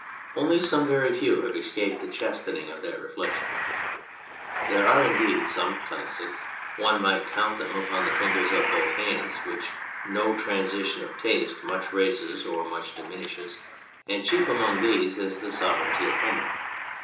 Only some very few have escaped the chastening of that reflection. There are indeed some classics one might count them upon the fingers of both hands which no transition of taste much raises or much diminishes, and chief among these is the sovereignty of Homer.